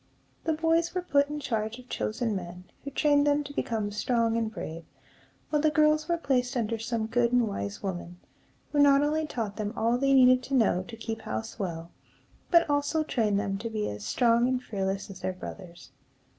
The boys were put in charge of chosen men, who trained them to become strong and brave; while the girls were placed under some good and wise woman, who not only taught them all they needed to know to keep house well, but also trained them to be as strong and fearless as their brothers.